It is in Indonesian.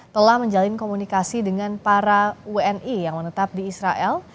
telah menjalin komunikasi dengan para wni yang menetap di israel